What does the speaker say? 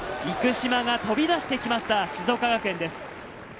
生嶋が飛び出してきました、静岡学園です。